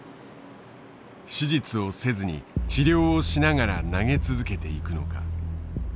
手術をせずに治療をしながら投げ続けていくのか。